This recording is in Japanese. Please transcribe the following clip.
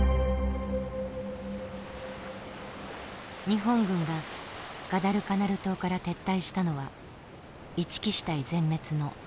日本軍がガダルカナル島から撤退したのは一木支隊全滅の半年後。